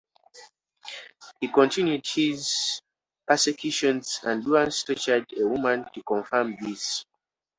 He continued his persecutions and once tortured a woman to confirm this.